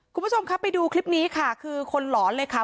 คุณผู้ชมครับไปดูคลิปนี้ค่ะคือคนหลอนเลยค่ะ